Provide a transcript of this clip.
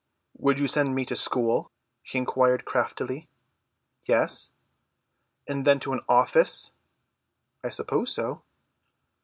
"Would you send me to school?" he inquired craftily. "Yes." "And then to an office?" "I suppose so."